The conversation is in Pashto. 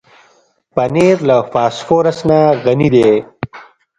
پنېر له فاسفورس نه غني دی.